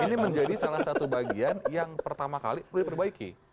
ini menjadi salah satu bagian yang pertama kali diperbaiki